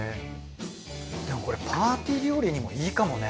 でもこれパーティー料理にもいいかもね。